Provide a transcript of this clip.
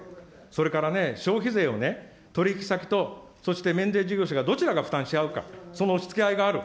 それからね、消費税を取り引き先と、そして、免税事業者がどちらが負担し合うか、その押し付け合いがある。